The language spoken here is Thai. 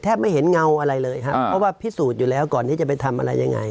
ไม่เห็นเงาอะไรเลยครับเพราะว่าพิสูจน์อยู่แล้วก่อนที่จะไปทำอะไรยังไง